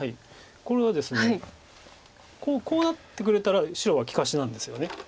これはですねこうなってくれたら白は利かしなんですよね。